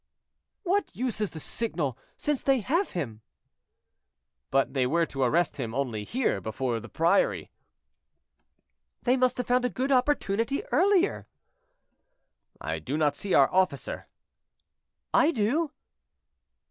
"What use is the signal, since they have him?" "But they were to arrest him only here, before the priory." "They must have found a good opportunity earlier." "I do not see our officer." "I do."